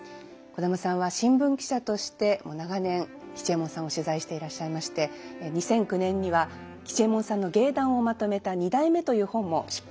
小玉さんは新聞記者として長年吉右衛門さんを取材していらっしゃいまして２００９年には吉右衛門さんの芸談をまとめた「二代目」という本も出版されていますね。